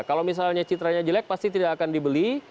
kalau misalnya citranya jelek pasti tidak akan dibeli